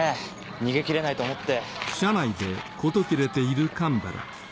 逃げきれないと思って。